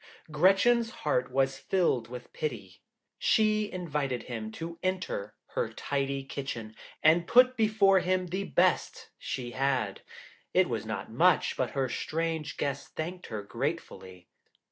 Gretchen's heart was filled with pity; she invited him to enter her tidy kitchen, and put before him the best she had. It was not much, but her strange guest thanked her gratefully.